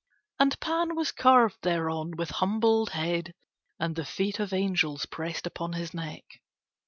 And Pan was carved thereon with humbled head and the feet of angels pressed upon his neck.